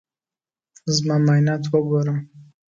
زما معاینات وګوره.